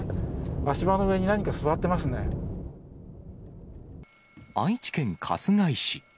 足場の上に何か座って愛知県春日井市。